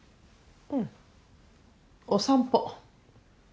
うんお散歩。